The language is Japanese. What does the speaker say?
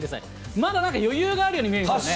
まだなんか余裕があるように見えるんですね。